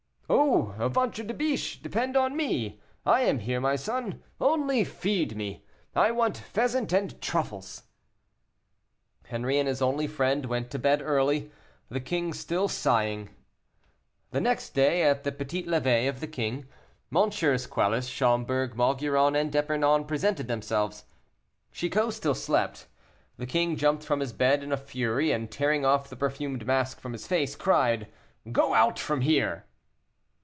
"Oh! ventre de biche, depend upon me; I am here, my son, only feed me. I want pheasant and truffles." Henri and his only friend went to bed early, the king still sighing. The next day, at the petite levée of the king, MM. Quelus, Schomberg, Maugiron, and D'Epernon presented themselves. Chicot still slept. The king jumped from his bed in a fury, and tearing off the perfumed mask from his face, cried, "Go out from here."